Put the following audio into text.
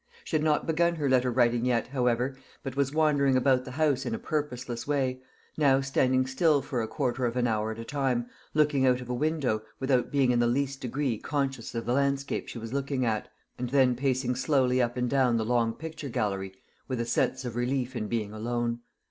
She had not begun her letter writing yet, however, but was wandering about the house in a purposeless way now standing still for a quarter of an hour at a time, looking out of a window, without being in the least degree conscious of the landscape she was looking at, and then pacing slowly up and down the long picture gallery with a sense of relief in being alone.